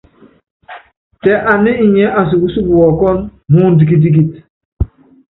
Tɛ aná inyɛ́ asupúsɔp wɔɔkɔ́n, mɔɔndɔ kitikit.